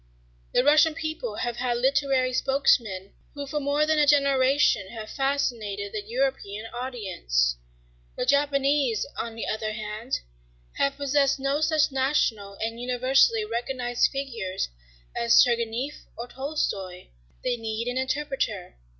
The Russian people have had literary spokesmen who for more than a generation have fascinated the European audience. The Japanese, on the other hand, have possessed no such national and universally recognized figures as Turgenieff or Tolstoy. They need an interpreter.